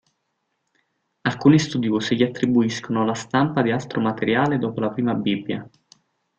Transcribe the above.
Alcuni studiosi gli attribuiscono la stampa di altro materiale dopo la prima Bibbia.